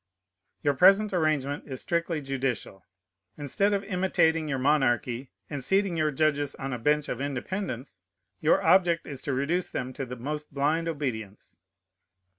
Your present arrangement is strictly judicial. Instead of imitating your monarchy, and seating your judges on a bench of independence, your object is to reduce them to the most blind obedience.